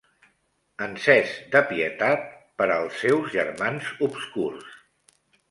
Encès de pietat per als seus germans obscurs.